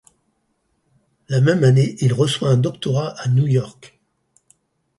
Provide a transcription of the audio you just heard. La même année, il reçoit un doctorat à New York.